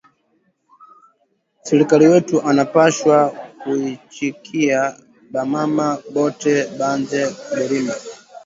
Serkali wetu ana pashwa ku ichikiya ba mama bote banze kurima